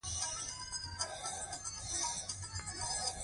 بخاري د ژمي موسم لپاره ضروري وسیله ده.